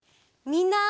みんな。